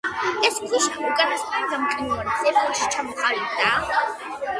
ეს ქვიშა უკანასკნელი გამყინვარების ეპოქაში ჩამოყალიბდა.